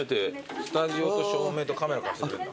スタジオと照明とカメラ貸してくれんだ。